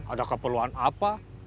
ada keperluan apa